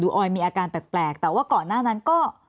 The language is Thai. ออยมีอาการแปลกแต่ว่าก่อนหน้านั้นก็